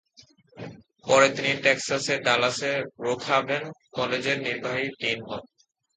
পরে তিনি টেক্সাসের ডালাসের ব্রুখাভেন কলেজের নির্বাহী ডিন হন।